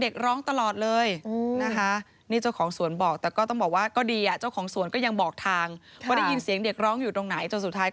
ก็เลยตะโกนบอกให้เดินไปไกล